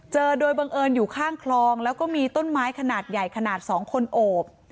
เจอโดยบังเอิญอยู่ข้างคลองแล้วก็มีต้นไม้ขนาดใหญ่ขนาด๒คนโอบ